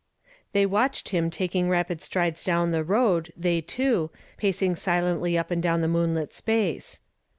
H'^HEY watched him taking rapid strides down A the road, they two, pacing silently up and down the moonlit space.